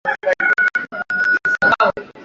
Mapishi Bora ya Viazi lishe hutunza kutunza virutubisho